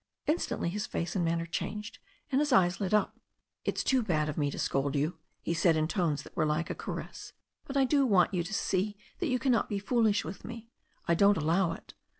Instantly his face and manner changed, and his eyes lit up. "It's too bad of me to scold you," he said in tones that were like a caress, "but I do want you to see that you can not be foolish with me. I don't allow it.